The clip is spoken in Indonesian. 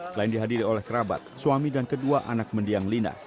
selain dihadiri oleh kerabat suami dan kedua anak mendiang lina